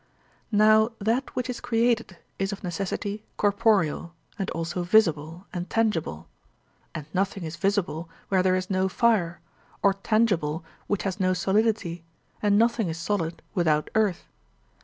Now that which is created is of necessity corporeal, and also visible and tangible. And nothing is visible where there is no fire, or tangible which has no solidity, and nothing is solid without earth.